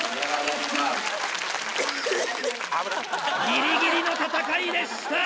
ギリギリの戦いでした。